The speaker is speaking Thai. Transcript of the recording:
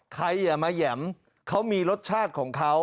ไทยอะเมื่อแหย่มเขามีรสชาติของเขา